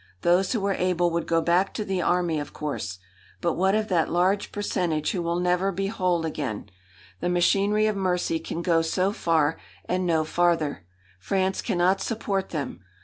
Those who were able would go back to the army, of course. But what of that large percentage who will never be whole again? The machinery of mercy can go so far, and no farther. France cannot support them.